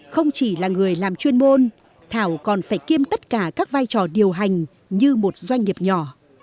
không chỉ là người làm chuyên môn thảo còn phải kiêm tất cả các vai trò điều hành như một doanh nghiệp nhỏ